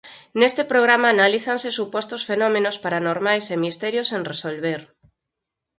Neste programa analízanse supostos fenómenos paranormais e misterios sen resolver.